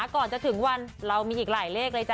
ก่อนจะถึงวันเรามีอีกหลายเลขเลยจ้